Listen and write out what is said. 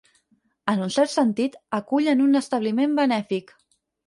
En un cert sentit, acull en un establiment benèfic.